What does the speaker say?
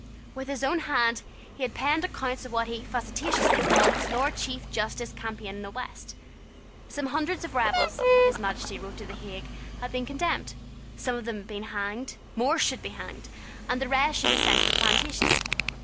With his own hand he had penned accounts of what he facetiously called his Lord Chief Justice's campaign in the West. Some hundreds of rebels, His Majesty wrote to the Hague, had been condemned. Some of them had been hanged: more should be hanged: and the rest should be sent to the plantations.